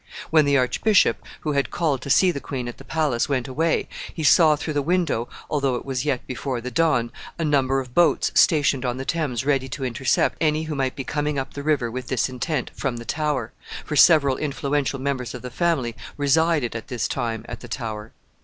When the archbishop, who had called to see the queen at the palace, went away, he saw through the window, although it was yet before the dawn, a number of boats stationed on the Thames ready to intercept any who might be coming up the river with this intent from the Tower, for several influential members of the family resided at this time at the Tower.